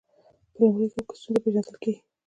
په لومړي ګام کې ستونزه پیژندل کیږي.